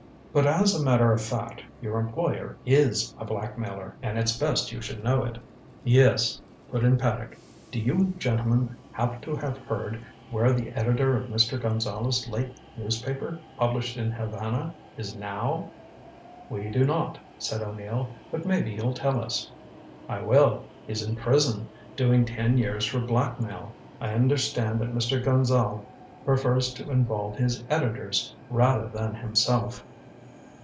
But as a matter of fact, your employer is a blackmailer, and it's best you should know it." "Yes," put in Paddock. "Do you gentlemen happen to have heard where the editor of Mr. Gonzale's late newspaper, published in Havana, is now?" "We do not," said O'Neill, "but maybe you'll tell us." "I will. He's in prison, doing ten years for blackmail. I understand that Mr. Gonzale prefers to involve his editors, rather than himself."